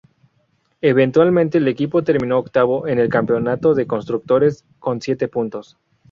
Eventualmente el equipo terminó octavo en el Campeonato de Constructores con siete puntos.